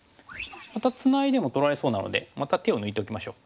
またツナいでも取られそうなのでまた手を抜いておきましょう。